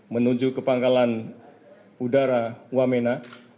menuju ke pangkalan udara wamena